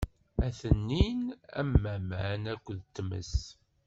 Atenin am aman akked tmes.